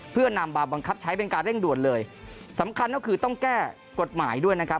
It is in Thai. เพื่อนำมาบังคับใช้เป็นการเร่งด่วนเลยสำคัญก็คือต้องแก้กฎหมายด้วยนะครับ